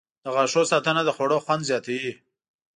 • د غاښونو ساتنه د خوړو خوند زیاتوي.